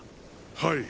はい。